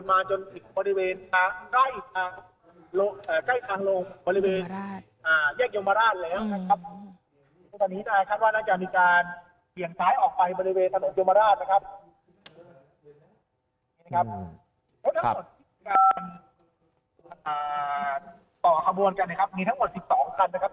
อ่าต่อขบวนกันนะครับมีทั้งหมดสิบสองคันนะครับ